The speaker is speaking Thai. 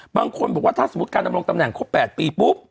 บางคนบอกว่าถ้าสมมุติการดำรงตำแหนครบ๘ปีปุ๊บ